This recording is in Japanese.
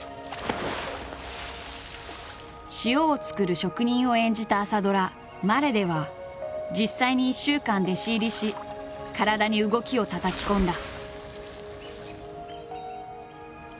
塩を作る職人を演じた朝ドラ「まれ」では実際に１週間弟子入りし体に動きをたたき込んだ。